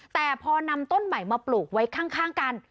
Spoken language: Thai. แต่พอนำต้นใหม่มาปลูกไว้ข้างกัน